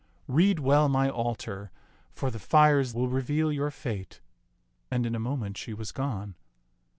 Read well my altar, for the fires will reveal your fate "; and in a moment she was gone.